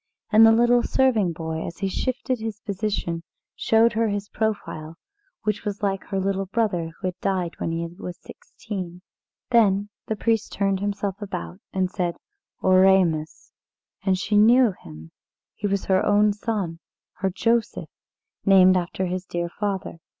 And the little serving boy, as he shifted his position, showed her his profile it was like her little brother who had died when he was sixteen. Then the priest turned himself about, and said, "Oremus." And she knew him he was her own son her Joseph, named after his dear father.